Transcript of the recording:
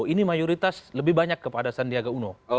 ini mayoritas lebih banyak kepada sandiaga uno